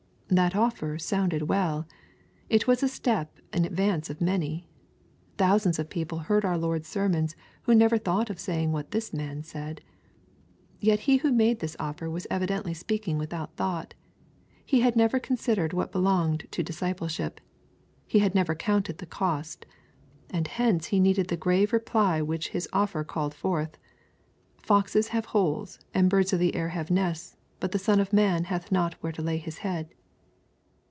— That offer sounded well It was a step in advance of many. Thousands of people heard our Lord's sermons who never thought of saying what this man said. Yet he who made this offer was evidently speaking without thought. He had never considered what belonged to discipleship. He had never counted the cost. And hence he needed the grave reply which his offer called forth :— "Foxes have holes, and birds of the air have nests, but the Son of man hath not where to lay his head."